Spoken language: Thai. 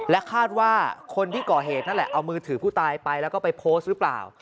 คาดว่าคนที่ก่อเหตุนั่นแหละเอามือถือผู้ตายไปแล้วก็ไปโพสต์หรือเปล่า